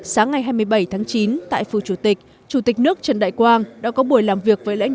sáng ngày hai mươi bảy tháng chín tại phủ chủ tịch chủ tịch nước trần đại quang đã có buổi làm việc với lãnh